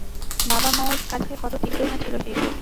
বাবা-মোর কাছে কত তীব্রই না ছিল সেই শোক!